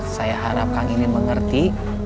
saya harap kang ini mengerti